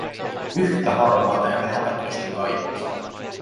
Yhtä harmaata ja vähäpätöistä kaikki.